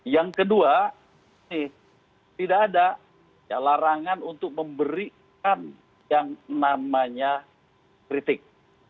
yang kedua tidak ada larangan untuk memberikan yang namanya kritik